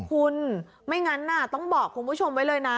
คุณไม่งั้นต้องบอกคุณผู้ชมไว้เลยนะ